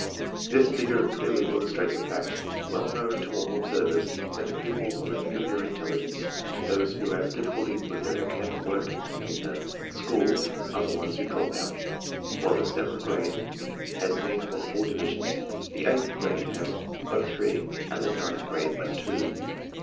This figure clearly illustrates the fact well known to all observers, that the pupils of inferior intelligence and those who have difficulty with their academic work in the school are the ones who drop out. While the seventh grade has need for four divisions, the eighth grade has but three and the ninth grade but two.